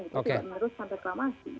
itu tidak meneruskan reklamasi